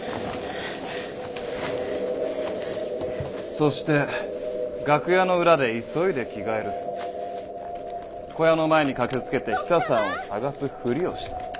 そして楽屋の裏で急いで着替えると小屋の前に駆けつけてヒサさんを捜すふりをした。